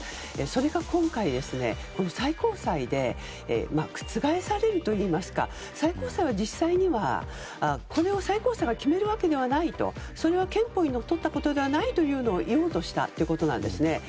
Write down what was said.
それが今回最高裁で覆されるといいますか実際には、これを最高裁が決めるわけではないとそれは憲法にのっとったことではないことを言おうとしたということですね。